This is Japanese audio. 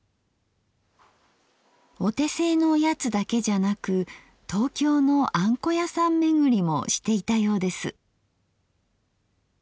お手製のおやつだけじゃなく東京のあんこ屋さん巡りもしていたようです。